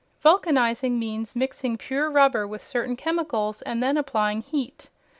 "Vulcanizing" means mixing pure rubber with certain chemicals and then applying heat.